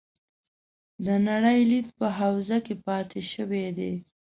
د نړۍ لید په حوزه کې پاتې شوي دي.